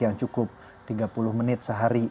yang cukup tiga puluh menit sehari